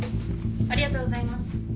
ありがとうございます。